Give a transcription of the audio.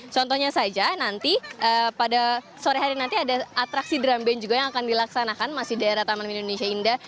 contohnya saja nanti pada sore hari nanti ada atraksi drum band juga yang akan dilaksanakan masih daerah taman mini indonesia indah